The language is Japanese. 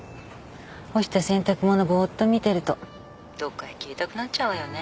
干した洗濯物ぼうっと見てるとどっかへ消えたくなっちゃうわよね。